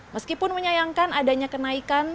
meskipun menyayangkan adanya kenaikan